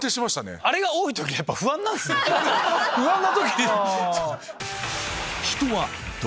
不安な時！